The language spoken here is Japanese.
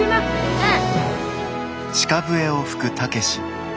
うん。